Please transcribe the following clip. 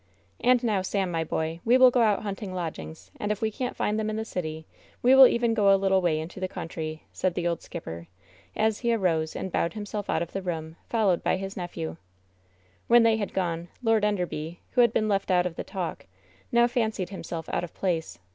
"And now, Sam, my boy, we will go out hunting lodgings ; and if we can't find them in the city we will even go a little way into the country," said the old skip per, as he arose and bowed himself out of the room, fol lowed by his nephew. 1S4 WHEN SHADOWS DIE When they had gone, Lord Enderby, who had been left out of the talk, now fancied himself out of place.